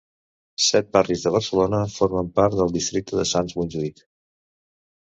Set barris de Barcelona formen part del districte de Sants-Montjuïc.